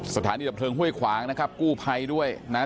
สถานีดับเพลิงห้วยขวางนะครับกู้ภัยด้วยนะฮะ